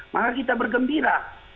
maka kita bergembira